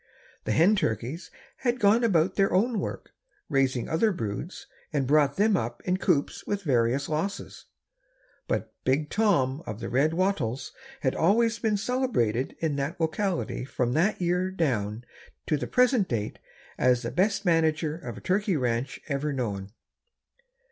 The hen turkeys had gone about their own work, raised other broods and brought them up in coops with various losses, but Big Tom of the red wattles has always been celebrated in that locality from that year down to the present date as the best manager of a turkey ranch ever known.